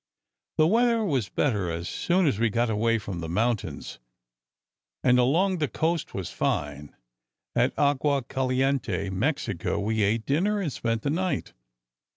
"The weather was better as soon as we got away from the mountains, and along the Coast was fine. At Agua Caliente, Mexico, we ate dinner and spent the night.